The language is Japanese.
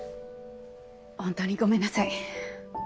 ホントにごめんなさい。